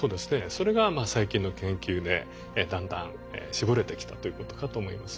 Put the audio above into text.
それが最近の研究でだんだん絞れてきたということかと思います。